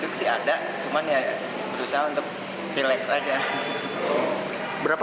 kalau buat di kursi